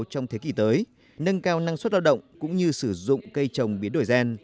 trong thế kỷ tới nâng cao năng suất lao động cũng như sử dụng cây trồng biến đổi gen